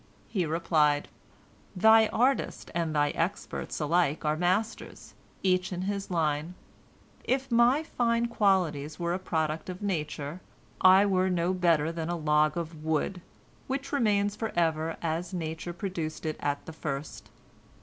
He replied: "Thy artist and thy experts alike are masters, each in his line. If my fine qualities were a product of nature, I were no better than a log of wood, which remains forever as nature produced it at the first.